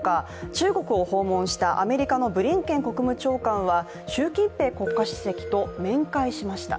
中国を訪問したアメリカのブリンケン国務長官は習近平国家主席と面会しました。